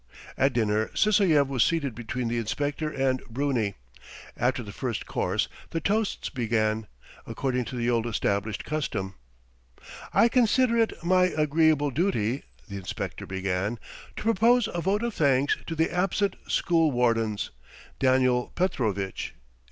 At dinner Sysoev was seated between the inspector and Bruni. After the first course the toasts began, according to the old established custom. "I consider it my agreeable duty," the inspector began, "to propose a vote of thanks to the absent school wardens, Daniel Petrovitch and ... and ..